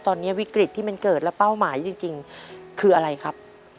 ตอนนี้วิกฤตที่มันเกิดและเป้าหมายจริงคืออะไรครับ